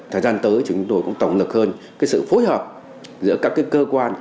thời gian tới chúng tôi cũng tổng lực hơn cái sự phối hợp giữa các cơ quan